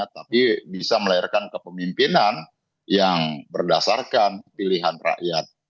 tapi bisa melahirkan kepemimpinan yang berdasarkan pilihan rakyat